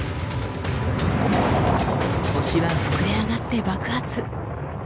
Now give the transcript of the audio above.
星は膨れ上がって爆発。